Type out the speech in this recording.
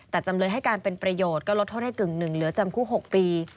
แต่จำเลยให้การเป็นประโยชน์ก็ลดโทษให้กึ่งหนึ่งเหลือจำคุก๖ปี